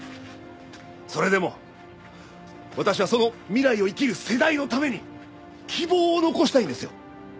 それでも私はその未来を生きる世代のために希望を残したいんですよ！